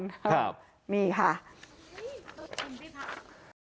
ครับนี่ค่ะคุณพิมพิภาย